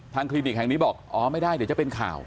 คลินิกแห่งนี้บอกอ๋อไม่ได้เดี๋ยวจะเป็นข่าว